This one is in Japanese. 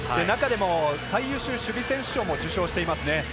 中でも最優秀守備選手賞も受賞していますね。